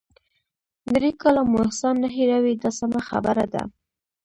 درې کاله مو احسان نه هیروي دا سمه خبره ده.